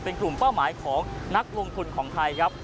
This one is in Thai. เป็นกลุ่มเป้าหมายของนักลงทุนของไทยครับ